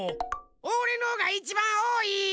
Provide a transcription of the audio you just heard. おれのがいちばんおおい！